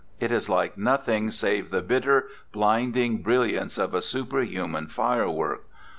It is like nothing save the bitter, blind ing brilliance of a superhuman firework.